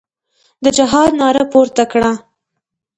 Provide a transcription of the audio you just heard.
د جهاد ناره پورته کړه.